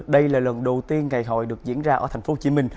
đây là lần đầu tiên ngày hội được diễn ra ở tp hcm